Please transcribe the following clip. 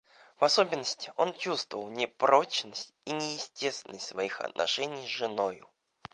В особенности он чувствовал непрочность и неестественность своих отношений с женою.